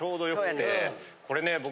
これね僕。